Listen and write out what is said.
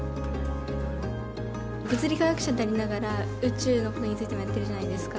物理学者でありながら宇宙のほうについてもやってるじゃないですか。